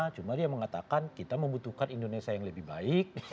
cuma dia mengatakan kita membutuhkan indonesia yang lebih baik